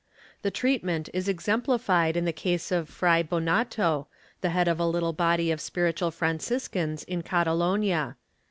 The treatment is exemplified in the case of Fray Bonato, the head of a little body of Spiritual Franciscans in Catalonia.